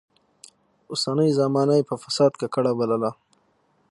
اوسنۍ زمانه يې په فساد ککړه بلله.